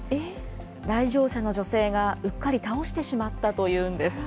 来場者の女性がうっかり倒してしまったというんです。